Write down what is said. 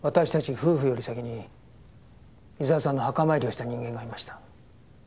夫婦より先に伊沢さんの墓参りをした人間がいました。